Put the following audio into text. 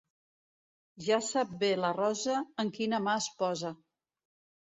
Ja sap bé la rosa en quina mà es posa.